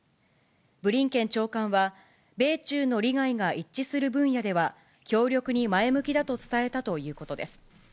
ブリンケン長官は、米中の利害が一致する分野では、協力に前向きだと伝えたということです。